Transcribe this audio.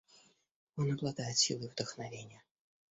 Он обладает силой вдохновения.